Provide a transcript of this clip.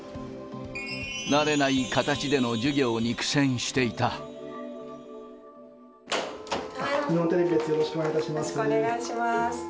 慣れない形での授業に苦戦し日本テレビです、よろしくおよろしくお願いします。